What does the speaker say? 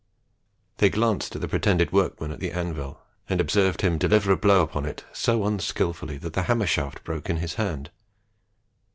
They glanced at the pretended workman at the anvil, and observed him deliver a blow upon it so unskilfully that the hammer shaft broke in his hand.